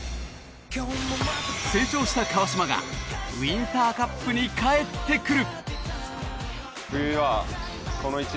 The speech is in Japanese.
成長した川島がウインターカップに帰ってくる！